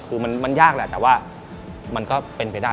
คือมันยากแหละแต่ว่ามันก็เป็นไปได้